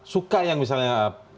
suka yang misalnya